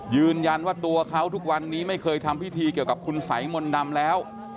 ยืนยันว่าตัวเขาทุกวันนี้ไม่เคยทำพิธีเกี่ยวกับคุณสัยมนต์ดำแล้ว